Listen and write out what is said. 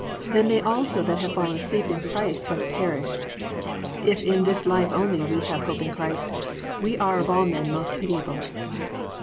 Then they also that have fallen asleep in Christ have perished. If in this life only we have hoped in Christ, we are of all men most pitiable."